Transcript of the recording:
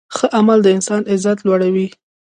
ښه عمل د انسان عزت لوړوي.